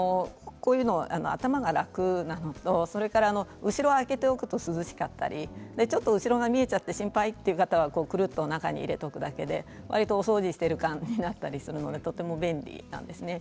頭が楽なのと後ろを開けておくと涼しかったりちょっと後ろが見えちゃって心配という方はくるっと中に入れるだけでお掃除している感になったりするのでとても便利なんですね。